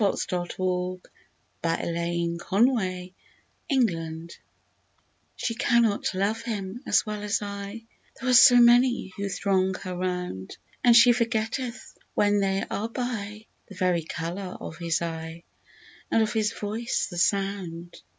32 "SHE CANNOT LOVE HIM AS WELL AS L" SHE cannot love him as well as I, There are so many who throng her round, And she forgetteth, when they are by, The very colour of his eye, And of his voice the sound